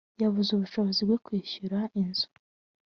yabuze ubushobozi bwo kwishyura inzu